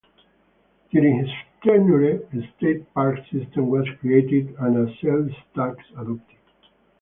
During his tenure, a state park system was created and a sales tax adopted.